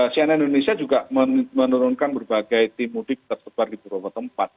cnn indonesia juga menurunkan berbagai tim mudik tersebar di beberapa tempat